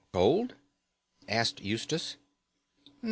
"Cold?" asked Eustace.